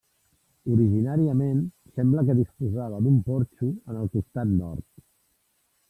Originàriament sembla que disposava d'un porxo en el costat Nord.